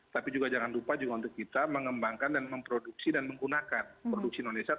tapi juga jangan lupa juga untuk kita mengembangkan dan memproduksi dan menggunakan produksi indonesia